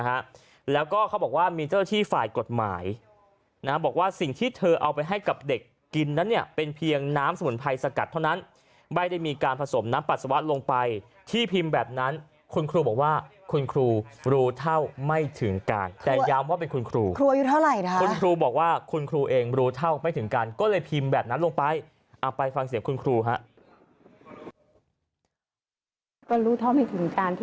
ก็ไม่เคยเห็นเหมือนกันนะฮะแล้วก็เขาบอกว่ามีเจ้าที่ฝ่ายกฎหมายนะบอกว่าสิ่งที่เธอเอาไปให้กับเด็กกินนั้นเนี่ยเป็นเพียงน้ำสมุนไพรสกัดเท่านั้นใบได้มีการผสมน้ำปัสสาวะลงไปที่พิมพ์แบบนั้นคุณครูบอกว่าคุณครูรู้เท่าไม่ถึงการแต่ย้ำว่าเป็นคุณครูครัวอยู่เท่าไหร่ค่ะคุณครูบอกว่าคุณครูเอง